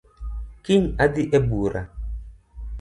Kiny adhi e bura